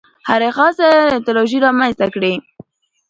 هرې خاصه ایدیالوژي رامنځته کړې.